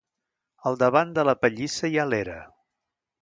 Al davant de la pallissa hi ha l'era.